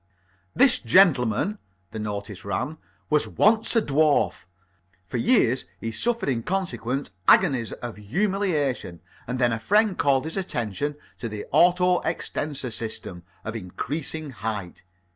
"This gentleman," the notice ran, "was once a dwarf. For years he suffered in consequence agonies of humiliation, and then a friend called his attention to the Auto extensor System of increasing height.